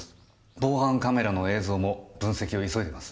防犯カメラの映像も分析を急いでいます。